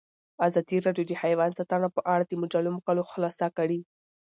ازادي راډیو د حیوان ساتنه په اړه د مجلو مقالو خلاصه کړې.